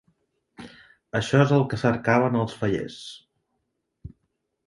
Això és el que cercaven els fallers.